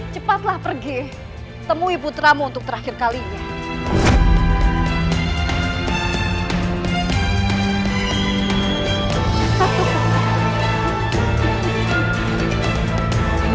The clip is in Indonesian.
cepatlah pergi temui putramu untuk terakhir kalinya